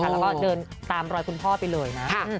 แล้วก็เดินตามรอยคุณพ่อไปเลยนะ